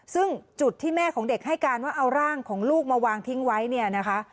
ซึ่งจุดที่แม่ของเด็กให้การว่าเอาร่างของลูกมาวางทิ้งไว้เนี่ยนะคะ